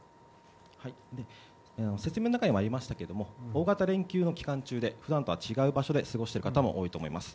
説明の中にもありましたけども大型連休期間中で普段と違う場所で過ごしている方も多いかと思います。